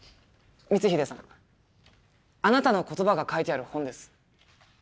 光秀さんあなたの言葉が書いてある本です。